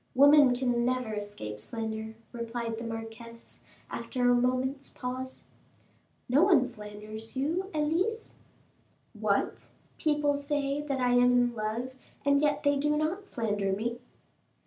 "Women can never escape slander," replied the marquise, after a moment's pause. "No one slanders you, Elise." "What! people say that I am in love, and yet they do not slander me!"